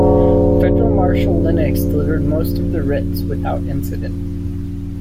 Federal Marshal Lenox delivered most of the writs without incident.